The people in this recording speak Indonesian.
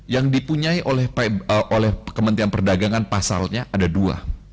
yang dipunyai oleh kementerian perdagangan pasalnya ada dua